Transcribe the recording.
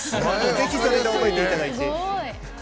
ぜひ、そうやって覚えていただいて。